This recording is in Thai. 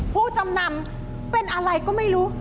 ผู้จำนำเป็นอะไรก็ไม่รู้